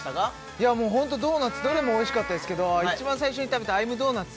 いやもうホントドーナツどれもおいしかったですけどいちばん最初に食べたアイムドーナツ？